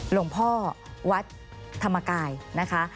หลวงพ่อวัดธรรมกายนะคะ